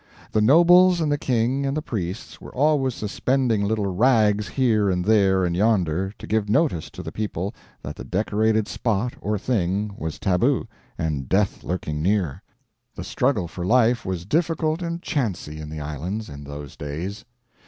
The nobles and the King and the priests were always suspending little rags here and there and yonder, to give notice to the people that the decorated spot or thing was tabu, and death lurking near. The struggle for life was difficult and chancy in the islands in those days.